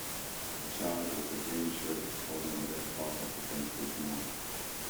A child with a green shirt is holding a red ball against its mouth.